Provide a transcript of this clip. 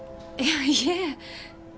いえ。